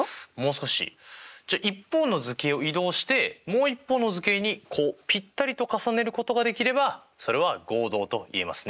一方の図形を移動してもう一方の図形にこうぴったりと重ねることができればそれは合同といえますね。